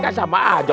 udah sama aja